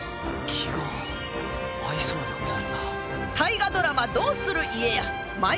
気が合いそうでござるなあ。